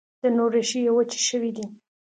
د نور، ریښې یې وچي شوي دي